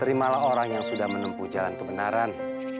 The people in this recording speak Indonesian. terimalah orang yang sudah menempuh jalan kebenaran